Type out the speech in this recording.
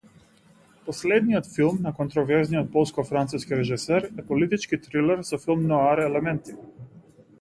Последниот филм на контроверзниот полско-француски режисер е политички трилер со филм ноар елементи.